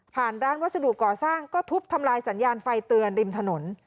ร้านวัสดุก่อสร้างก็ทุบทำลายสัญญาณไฟเตือนริมถนน